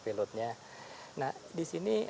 payloadnya nah di sini